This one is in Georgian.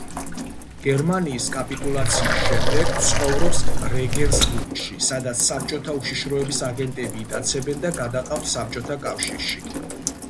გერმანიის კაპიტულაციის შემდეგ ცხოვრობს რეგენსბურგში, სადაც საბჭოთა უშიშროების აგენტები იტაცებენ და გადაჰყავთ საბჭოთა კავშირში.